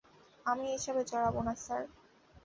আমি এসবে জড়াবো না, স্যার।